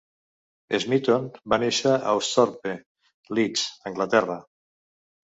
Smeaton va néixer a Austhorpe, Leeds, Anglaterra.